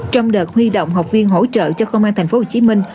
trong đợt huy động học viên hỗ trợ cho công an thành phố hồ chí minh